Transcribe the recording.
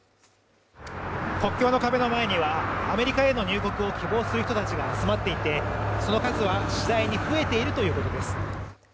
国境の壁の前にはアメリカへの入国を希望する人たちが集まっていて、その数は次第に増えているということです。